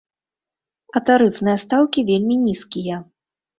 А тарыфныя стаўкі вельмі нізкія.